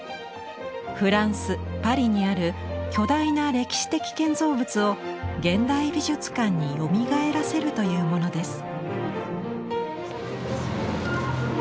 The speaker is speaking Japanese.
フランスパリにある巨大な歴史的建造物を現代美術館によみがえらせるというものです。